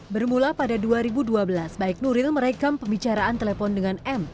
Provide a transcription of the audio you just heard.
bermula pada dua ribu dua belas baik nuril merekam pembicaraan telepon dengan m